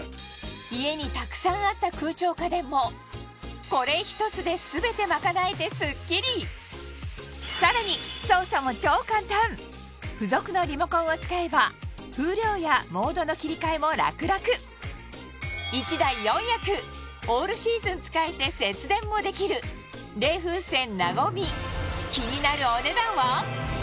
家にたくさんあった空調家電もこれさらに付属のリモコンを使えば風量やモードの切り替えも楽々１台４役オールシーズン使えて節電もできる冷風扇「なごみ」気になるお値段は？